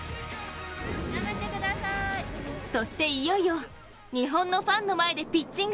そしていよいよ日本のファンの前でピッチング。